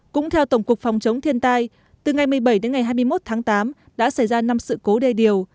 cũng theo tổng cục phòng chống thiên tai từ ngày một mươi bảy đến ngày hai mươi một tháng tám đã xảy ra năm sự cố đê điều